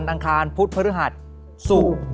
แล้วก็เล่นวันอาทิตย์